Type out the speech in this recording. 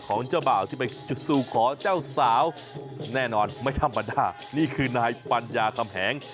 ของเจ้าบ่าวที่ไปจุดสู่ขอเจ้าสาวแน่นอนไม่ธรรมดานี่คือนายปัญญาคำแหง